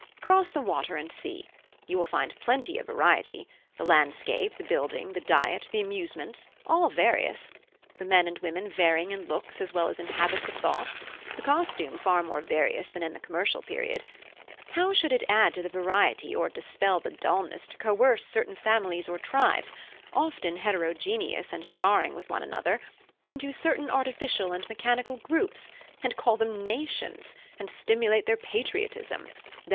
"Cross the water and see. You will find plenty of variety: the landscape, the building, the diet, the amusements, all various. The men and women varying in looks as well as in habits of thought; the costume far more various than in the commercial period. How should it add to the variety or dispel the dulness, to coerce certain families or tribes, often heterogeneous and jarring with one another, into certain artificial and mechanical groups, and call them nations, and stimulate their patriotism _i.